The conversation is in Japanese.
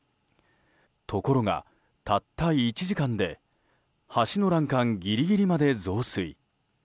ところが、たった１時間で橋の欄干ギリギリまで増水。